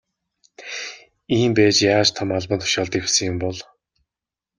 Ийм байж яаж том албан тушаалд дэвшсэн юм бол.